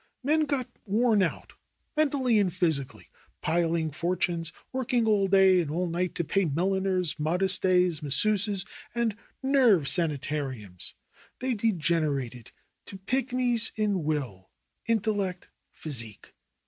"Men got worn out mentally and physically piling fortunes, working all day and all night to pay milliners, modistes, masseuses — and nerve sanitariums. They degenerated to pigmies in will, in tellect, physique.